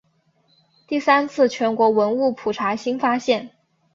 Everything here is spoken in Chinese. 第三次全国文物普查新发现。